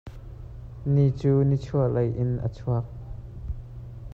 Ni cu nichuah lei in a chuak.